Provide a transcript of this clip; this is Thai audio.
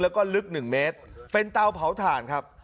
แล้วก็ลึก๑เมตรเป็นเตาเผาถ่านครับ